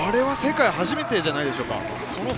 世界で初めてじゃないですか。